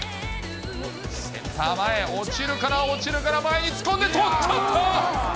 センター前へ落ちるかな、落ちるかな、前に突っ込んで捕っちゃった。